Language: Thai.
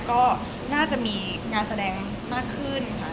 ก็น่าจะมีงานแสดงมากขึ้นค่ะ